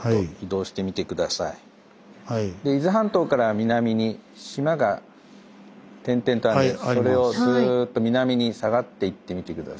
伊豆半島から南に島が点々とあるのでそれをスーッと南に下がっていってみて下さい。